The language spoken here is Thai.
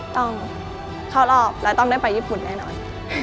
ต้องเข้ารอบและต้องได้ไปญี่ปุ่นแน่นอน